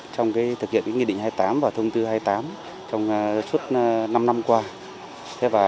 trong thực hiện nghị định hai mươi tám và thông tư hai mươi tám trong suốt năm năm qua